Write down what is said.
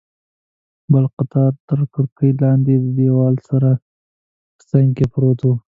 بل قطار تر کړکۍ لاندې، د دیوال سره په څنګ کې پروت و.